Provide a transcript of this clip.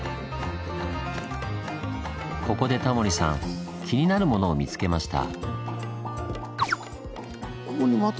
ここでタモリさん気になるものを見つけました。